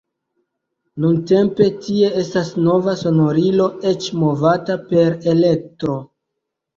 Nuntempe tie estas nova sonorilo, eĉ movata per elektro.